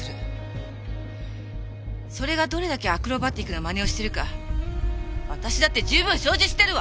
それがどれだけアクロバティックなまねをしてるか私だって十分承知してるわ！